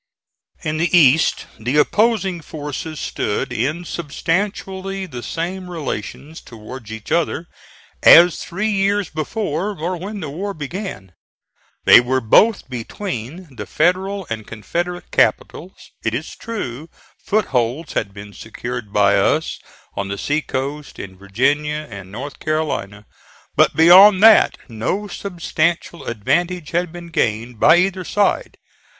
In the East the opposing forces stood in substantially the same relations towards each other as three years before, or when the war began; they were both between the Federal and Confederate capitals. It is true, footholds had been secured by us on the sea coast, in Virginia and North Carolina, but, beyond that, no substantial advantage had been gained by either side.